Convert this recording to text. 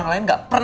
aku mau ngerti